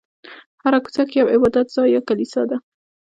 هره کوڅه کې یو عبادت ځای یا کلیسا ده.